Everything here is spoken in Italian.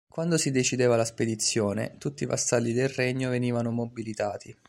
Quando si decideva la spedizione tutti i vassalli del regno venivano mobilitati.